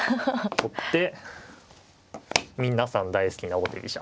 取って皆さん大好きな王手飛車。